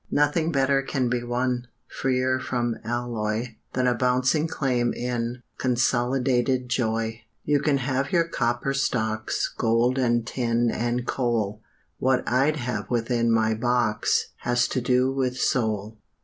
Nothing better can be won, Freer from alloy, Than a bouncing claim in "Con Solidated Joy." You can have your Copper Stocks Gold and tin and coal What I'd have within my box Has to do with Soul.